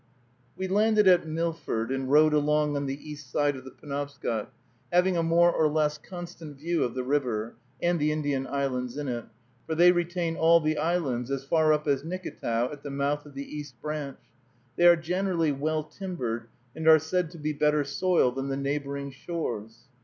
We landed in Milford, and rode along on the east side of the Penobscot, having a more or less constant view of the river, and the Indian islands in it, for they retain all the islands as far up as Nicketow, at the mouth of the East Branch. They are generally well timbered, and are said to be better soil than the neighboring shores.